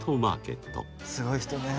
すごい人ね。